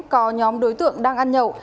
có nhóm đối tượng đang ăn nhậu